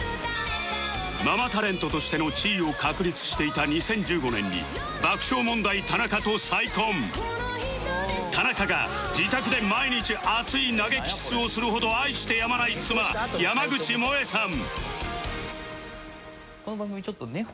ママタレントとしての地位を確立していた田中が自宅で毎日熱い投げキッスをするほど愛してやまない妻山口もえさん